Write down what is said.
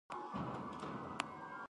پښتو ژبه په ډیجیټل نړۍ کې ځلانده وساتئ.